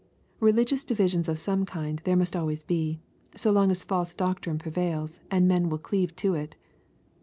Beligious divisions of some kind there must always be, so long as false doctrine prevails, and men will cleave to it.